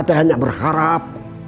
kita hanya berharap